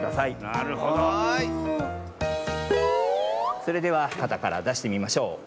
それではかたからだしてみましょう。